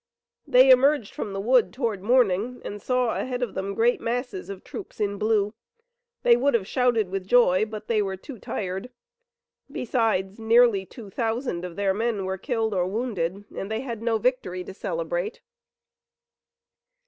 They emerged from the wood toward morning and saw ahead of them great masses of troops in blue. They would have shouted with joy, but they were too tired. Besides, nearly two thousand of their men were killed or wounded, and they had no victory to celebrate.